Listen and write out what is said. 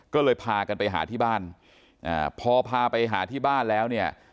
ก็เลยพากันไปหาที่บ้านพอพาไปหาที่บ้านแล้วเนี่ย